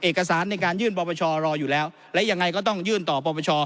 เอกสารในการยื่นปปชรออยู่แล้วและยังไงก็ต้องยื่นต่อปรปช